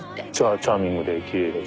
チャーミングできれいだし。